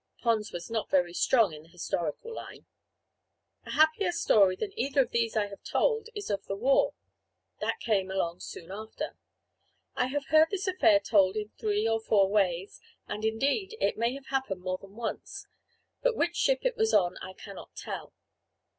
Pons was not very strong in the historical line. A happier story than either of these I have told is of the war. That came along soon after. I have heard this affair told in three or four ways and, indeed, it may have happened more than once. But which ship it was on I cannot tell.